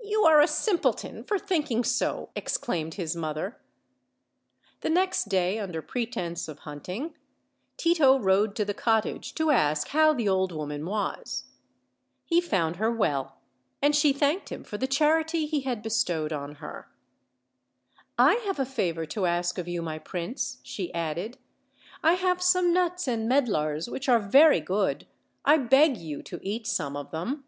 "You are a simpleton for thinking so," exclaimed his mother. The next day, under pretense of hunting, Tito rode to the cottage to ask how the old woman was. He found her well, and she thanked him for the charity he h:id bestowed on her. "I have a favor to ask of you, my prince," she added; "I have some nuts and medlars which are very good; I beg you to eat some of them."